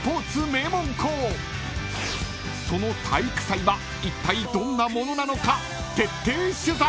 ［その体育祭はいったいどんなものなのか？］